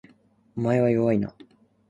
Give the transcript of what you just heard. お前は弱いな